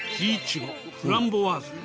フランボワーズ。